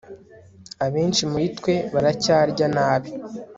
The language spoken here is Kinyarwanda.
abenshi muri twe baracyarya nabi